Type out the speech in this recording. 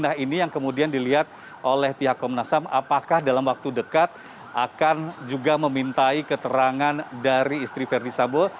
nah ini yang kemudian dilihat oleh pihak komnas ham apakah dalam waktu dekat akan juga memintai keterangan dari istri verdi sambo